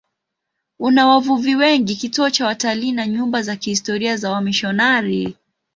Una wavuvi wengi, kituo cha watalii na nyumba za kihistoria za wamisionari.